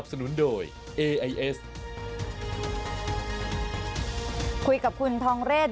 คุยกับคุณทองเรศ